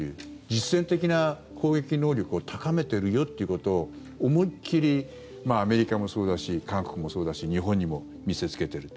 実戦的な攻撃能力を高めてるよっていうことを思いっ切り、アメリカもそうだし韓国もそうだし日本にも見せつけている。